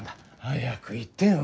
早く言ってよ